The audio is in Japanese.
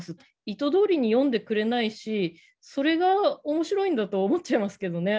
意図どおりに読んでくれないしそれが面白いんだと思っちゃいますけどね